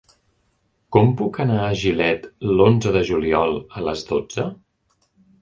Com puc anar a Gilet l'onze de juliol a les dotze?